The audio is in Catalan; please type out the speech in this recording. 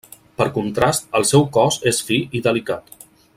Per contrast, el seu cos és fi i delicat.